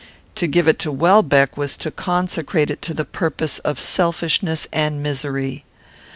To give it to Welbeck was to consecrate it to the purpose of selfishness and misery.